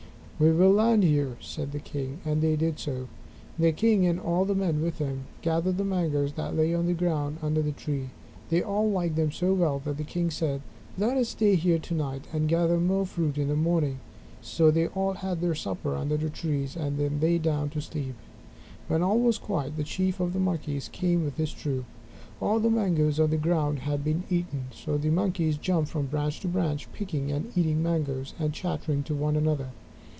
"We will land here," said the king, and they did so. The king and all the men with him gathered the mangoes that lay on the ground under the tree. They all liked them so well that the king said, "Let us stay here to night, and gather more fruit in the morning." So they had their supper under the trees, and then lay down to sleep. When all was quiet, the Chief of the Monkeys came with his troop. All the mangoes on the ground had been eaten, so the monkeys jumped from branch to branch, picking and eating mangoes, and chattering to one another.